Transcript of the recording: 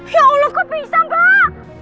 ya allah kok bisa mbak